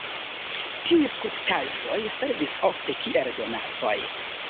Tiuj skulptaĵoj servis ofte kiel donacoj.